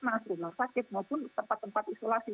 masuk rumah sakit maupun tempat tempat isolasi